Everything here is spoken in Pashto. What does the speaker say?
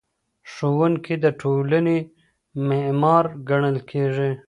ښوونکی د ټولنې معمار ګڼل کېږي.